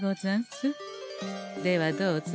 ではどうぞ。